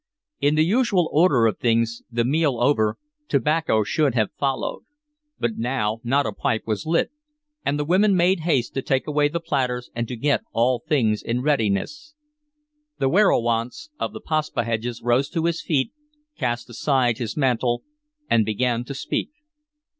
In the usual order of things, the meal over, tobacco should have followed. But now not a pipe was lit, and the women made haste to take away the platters and to get all things in readiness. The werowance of the Paspaheghs rose to his feet, cast aside his mantle, and began to speak.